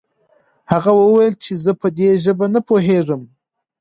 هغه وويل چې زه په دې ژبه نه پوهېږم.